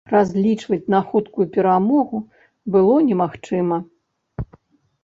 Разлічваць на хуткую перамогу было немагчыма.